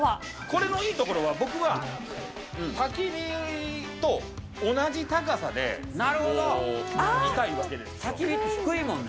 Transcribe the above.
これのいいところは、僕はたき火と同じ高さで、こういたいわけですよ。